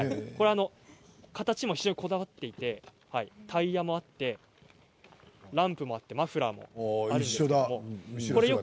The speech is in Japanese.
形も非常にこだわっていてタイヤもあってランプもマフラーもあるんですけど